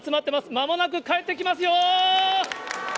まもなく帰ってきますよ！